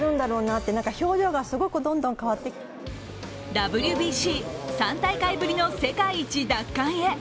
ＷＢＣ、３大会ぶりの世界一奪還へ。